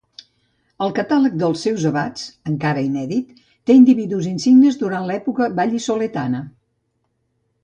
El catàleg dels seus abats, encara inèdit, té individus insignes durant l'època val·lisoletana.